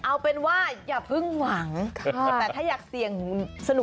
เอาเป็นว่าอย่าเพิ่งหวังแต่ถ้าอยากเสี่ยงสนุก